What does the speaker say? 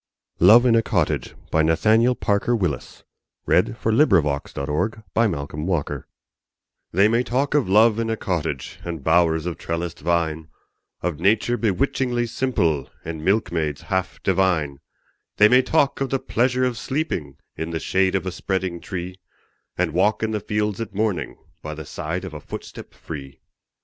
let Him Have praises for the well completed year. Nathaniel Parker Willis Love in a Cottage THEY may talk of love in a cottage And bowers of trellised vine Of nature bewitchingly simple, And milkmaids half divine; They may talk of the pleasure of sleeping In the shade of a spreading tree, And a walk in the fields at morning, By the side of a footstep free!